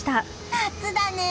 夏だね！